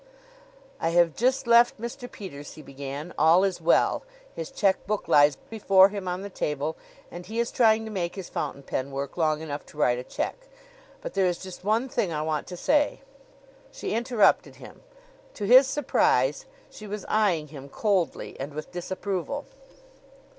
"I have just left Mr. Peters," he began. "All is well. His check book lies before him on the table and he is trying to make his fountain pen work long enough to write a check. But there is just one thing I want to say " She interrupted him. To his surprise, she was eyeing him coldly and with disapproval.